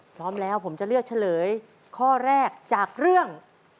พร้อมแล้วผมจะเลือกเฉลยข้อแรกจากเรื่อง